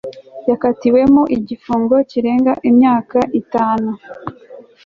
yakatiwemo igifungo kirenga imyaka itanu